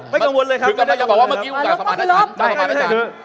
ไม่กังวลเลยครับไม่ได้บอกว่าเมื่อกี้คือสมารรชัน